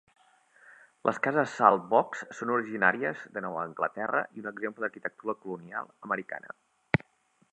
Les cases saltbox són originàries de Nova Anglaterra i un exemple d'arquitectura colonial americana.